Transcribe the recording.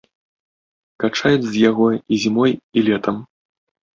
Качаюць з яго і зімой, і летам.